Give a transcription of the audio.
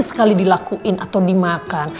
sekali dilakuin atau dimakan